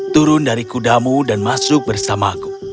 turun dari kudamu dan masuk bersamaku